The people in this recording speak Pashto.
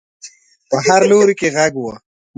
په هر لوري کې غږ و.